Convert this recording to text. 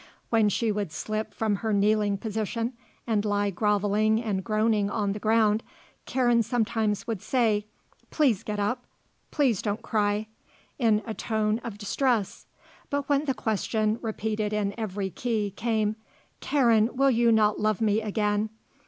When she would slip from her kneeling position and lie grovelling and groaning on the ground, Karen sometimes would say: "Please get up. Please don't cry," in a tone of distress. But when the question, repeated in every key, came: "Karen, will you not love me again?"